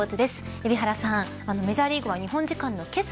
海老原さん、メジャーリーグは日本時間のけさ